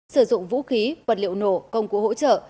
sử dụng vũ khí vật liệu nổ công cụ hỗ trợ